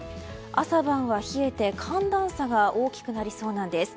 朝晩は冷えて、寒暖差が大きくなりそうなんです。